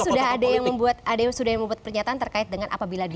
salah satu toko politik sudah ada yang membuat pernyataan terkait dengan apabila itu